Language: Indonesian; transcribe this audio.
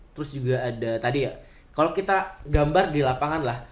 terus juga ada tadi ya kalau kita gambar di lapangan lah